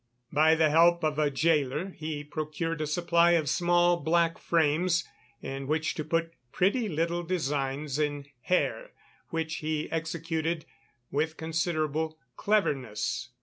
By the help of a gaoler, he procured a supply of small black frames in which to put pretty little designs in hair which he executed with considerable cleverness.